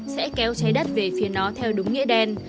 sẽ kéo trái đất về phía nó theo đúng nghĩa đen